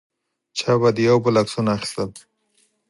چا به د یو بل عکسونه اخیستل.